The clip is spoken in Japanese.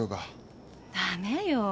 ダメよ。